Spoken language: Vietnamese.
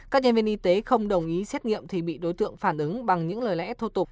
các nhân viên y tế không đồng ý xét nghiệm thì bị đối tượng phản ứng bằng những lời lẽ thô tục